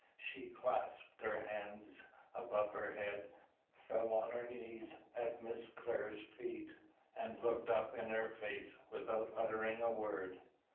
She clasped her hands above her head, fell on her knees at Miss Clare's feet, and looked up in her face without uttering a word.